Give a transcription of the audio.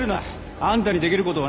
あんたにできることはない。